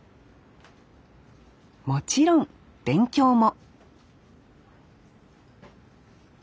もちろん勉強も！